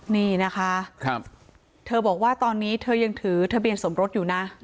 นี่นะคะเธอบอกว่าตอนนี้เธอยังถือทะเบียนสมรสอยู่นะ